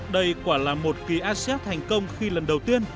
đây quả là một kỳ asean thành công khi lần đầu tiên